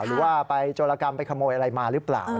หรือว่าไปโจรกรรมไปขโมยอะไรมาหรือเปล่า